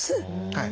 はい。